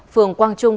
phường quang trung